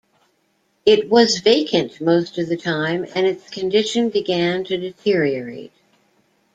It was vacant most of the time and its condition began to deteriorate.